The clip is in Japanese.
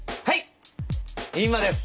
今です！